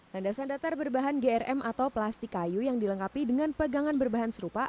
landasan datar berbahan grm atau plastik kayu yang dilengkapi dengan pegangan berbahan serupa